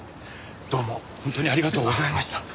どうも本当にありがとうございました。